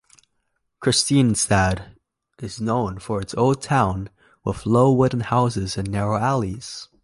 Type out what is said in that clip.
Kristinestad is known for its old town with low wooden houses and narrow alleys.